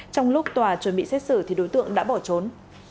trong lúc tòa chuẩn bị xét xử thì đối tượng đã bỏ trốn